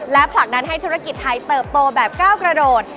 และผลักดันให้ธุรกิจไทยเติบโตแบบก้าวกระโดด